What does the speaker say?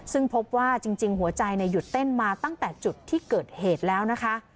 ซึ่งพบว่าจริงหัวใจหยุดเต้นมาตั้งแต่จุดที่เกิดเหตุแล้วนะคะ